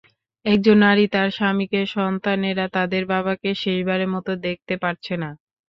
একজন নারী তাঁর স্বামীকে, সন্তানেরা তাদের বাবাকে শেষবারের মতো দেখতে পারছে না।